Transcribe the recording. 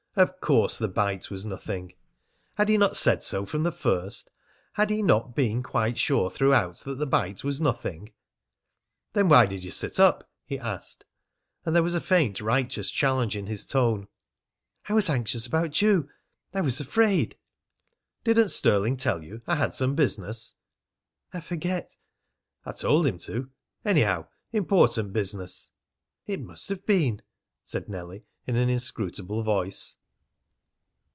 Of course the bite was nothing! Had he not said so from the first? Had he not been quite sure throughout that the bite was nothing? "Then why did you sit up?" he asked, and there was a faint righteous challenge in his tone. "I was anxious about you. I was afraid " "Didn't Stirling tell you I had some business?" "I forget " "I told him to, anyhow important business." "It must have been," said Nellie in an inscrutable voice.